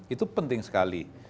itu penting sekali